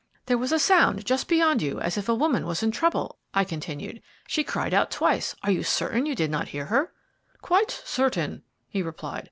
"There was a sound just beyond you as if a woman was in trouble," I continued. "She cried out twice; are you certain you did not hear her?" "Quite certain," he replied.